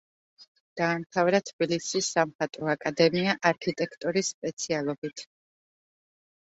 დაამთავრა თბილისის სამხატვრო აკადემია არქიტექტორის სპეციალობით.